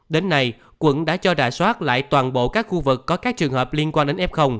đến nay quận đã cho đà soát lại toàn bộ các khu vực có các trường hợp liên quan đến f